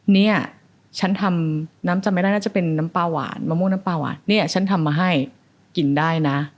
เนี่ยฉันทำน้ำจำไม่ได้น่าจะเป็นน้ำปลาหวานมะม่วงน้ำปลาหวานเนี่ยฉันทำมาให้กินได้นะ